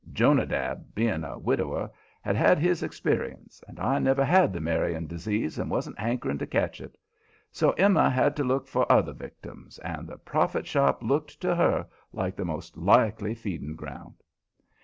Jonadab, being a widower, had had his experience, and I never had the marrying disease and wasn't hankering to catch it. So Emma had to look for other victims, and the prophet shop looked to her like the most likely feeding ground.